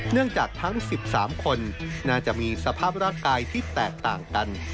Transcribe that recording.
เนื่องจากทั้ง๑๓คนน่าจะมีสภาพร่างกายที่แตกต่างกัน